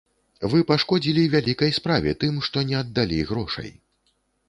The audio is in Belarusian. Вы пашкодзілі вялікай справе тым, што не аддалі грошай.